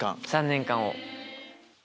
３年間を。